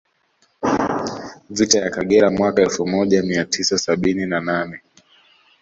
Vita ya Kagera mwaka elfu moja mia tisa sabini na nane